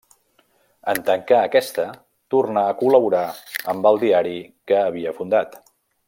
En tancar aquesta, tornà a col·laborar amb el diari que havia fundat.